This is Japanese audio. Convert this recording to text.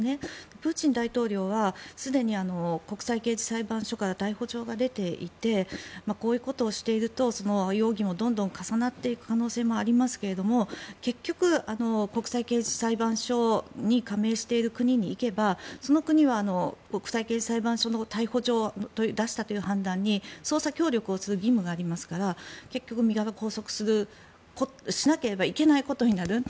プーチン大統領はすでに国際刑事裁判所から逮捕状が出ていてこういうことをしていると容疑もどんどん重なっていく可能性もありますが結局、国際刑事裁判所に加盟している国に行けばその国は国際刑事裁判所の逮捕状を出したという判断に捜査協力をする義務がありますから結局、身柄を拘束しなければいけないことになる。